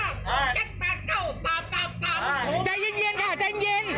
เออแป้นแป้นเก้าตามตามตามใจเย็นเย็นค่ะใจเย็น